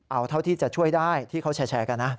เอาเท่าที่จะช่วยได้ที่เขาแชร์กันนะ